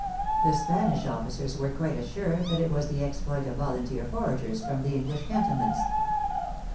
The Spanish officers were quite as sure that it was the exploit of volunteer foragers from the English cantonments.